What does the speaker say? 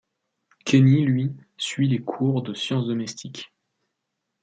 Kenny, lui, suit les cours de sciences domestiques...